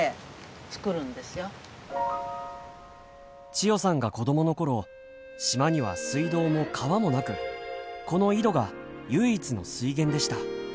千代さんが子供のころ島には水道も川もなくこの井戸が唯一の水源でした。